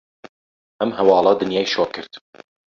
ئەم هەواڵە دنیای شۆک کرد.